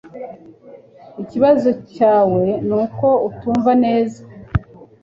Ikibazo cyawe nuko utumva neza